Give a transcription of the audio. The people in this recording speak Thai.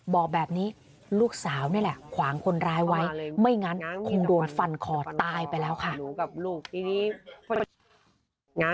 บอกแบบนี้ลูกสาวนี่แหละขวางคนร้ายไว้ไม่งั้นคงโดนฟันคอตายไปแล้วค่ะ